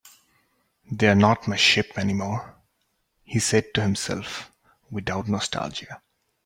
"They're not my sheep anymore," he said to himself, without nostalgia.